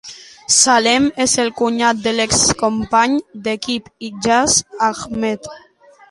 Saleem és el cunyat de l'excompany d'equip Ijaz Ahmed.